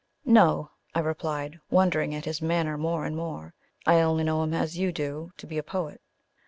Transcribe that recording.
"No," I replied, wondering at his manner more and more. "I only know him, as you do, to be a poet."